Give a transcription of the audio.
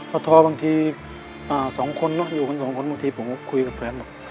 พอทอบางทีสองคนเนอะอยู่กันสองคนบางทีผมก็คุยกับแฟนบอก